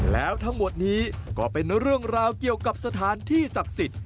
แล้วทั้งหมดนี้ก็เป็นเรื่องราวเกี่ยวกับสถานที่ศักดิ์สิทธิ์